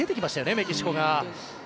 メキシコが。